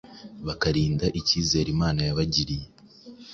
bakarinda icyizere Imana yabagiriye.